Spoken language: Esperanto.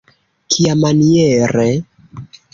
Kiamaniere?